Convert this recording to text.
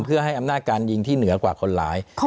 เพื่อให้อำนาจการยิงที่เหนือกว่าคนร้าย